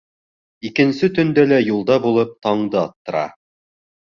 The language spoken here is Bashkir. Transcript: Икенсе төндә лә юлда булып, таңды аттыра.